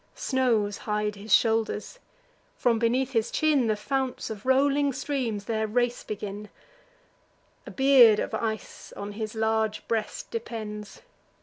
Snows hide his shoulders; from beneath his chin The founts of rolling streams their race begin; A beard of ice on his large breast depends.